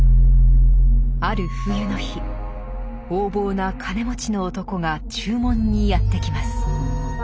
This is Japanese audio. ある冬の日横暴な金持ちの男が注文にやって来ます。